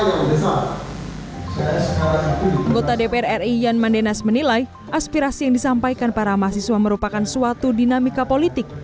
anggota dpr ri yan mandenas menilai aspirasi yang disampaikan para mahasiswa merupakan suatu dinamika politik